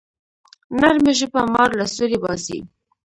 نرمه ژبه مار له سوړي باسي